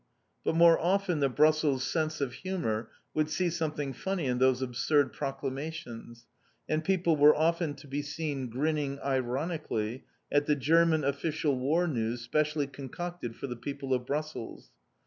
But more often the Brussels sense of humour would see something funny in those absurd proclamations, and people were often to be seen grinning ironically at the German official war news specially concocted for the people of Brussels.